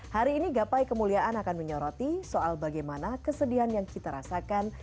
hari ini gapai kemuliaan akan menyoroti soal bagaimana kesedihan yang kita rasakan